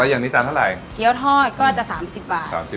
อันนี้จานเท่าไหร่เยียวทอดก็อาจจะ๓๐บาท